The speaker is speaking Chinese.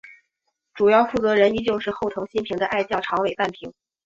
主要负责人依旧是后藤新平的爱将长尾半平。